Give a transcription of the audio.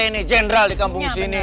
rt nih general di kampung sini